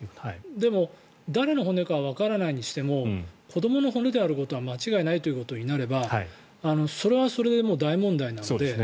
でも、誰の骨かはわからないにしても子どもの骨であることは間違いないということになればそれはそれで大問題なので。